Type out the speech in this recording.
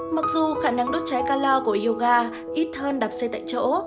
mặc dù khả năng đốt cháy kala của yoga ít hơn đạp xe tại chỗ